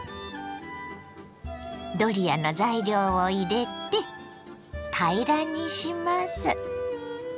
ドリアの材料を入れて平らにします。